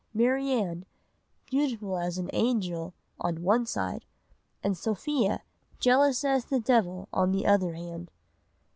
Marianne, beautiful as an angel, on one side ... and Sophia, jealous as the devil, on the other hand.